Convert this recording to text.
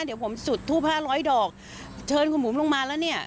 เดี๋ยวผมจุดทูปห้าร้อยดอกเชิญคุณบุ๋มลงมาแล้วเนี่ย